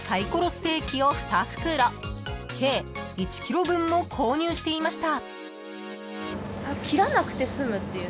ステーキを２袋計１ｋｇ分も購入していました］